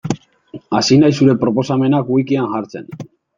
Hasi naiz zure proposamenak wikian jartzen.